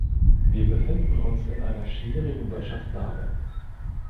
Wir befinden uns in einer schwierigen Wirtschaftslage.